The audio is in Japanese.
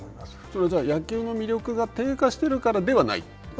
それはじゃあ野球の魅力が低下しているからではない？